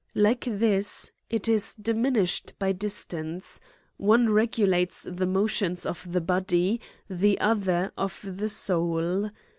Like this, it is diminished by distance; one regulates the motions of the body, the other of the soul.